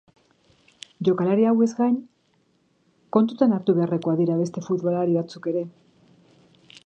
Jokalari hauez gain kontutan hartu beharrekoak dira beste futbolari batzuk ere.